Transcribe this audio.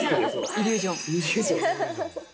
イリュージョン。